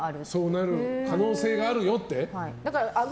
そうなる可能性があるよって？